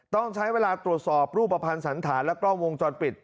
ต้องใช้เวลาตรวจสอบรูปภัณฑ์สันธารและกล้องวงจรปิด